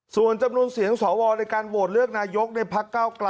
ส่วนจำนวนเสียงสวในการโหวดเลือกนายกในพก